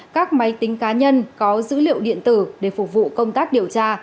các máy tính cá nhân có dữ liệu điện tử để phục vụ công tác điều tra